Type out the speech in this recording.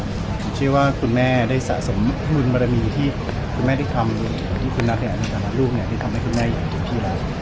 ผมเชื่อว่าคุณแม่ได้สะสมมือนมรมีที่คุณแม่ได้ทำอย่างที่คุณนัทได้ทำให้คุณแม่อย่างคุณพี่แล้ว